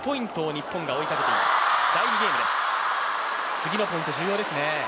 次のポイント、重要ですね。